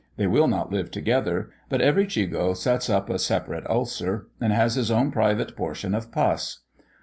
They will not live together, but every chigoe sets up a separate ulcer, and has his own private portion of pus.